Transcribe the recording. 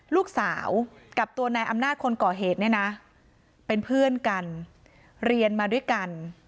ลูกสาวกับตัวนายอำนาจคนก่อเหตุเนี่ยนะเป็นเพื่อนกันเรียนมาด้วยกัน